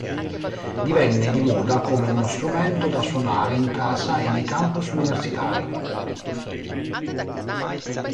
Divenne di moda come uno strumento da suonare in casa o nei campus universitari.